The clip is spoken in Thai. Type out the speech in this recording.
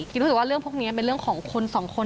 รู้สึกว่าเรื่องพวกนี้เป็นเรื่องของคนสองคน